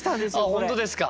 あっ本当ですか。